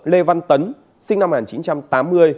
lê văn tấn sinh năm một nghìn chín trăm tám mươi